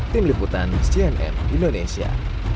tim liputan cnm indonesia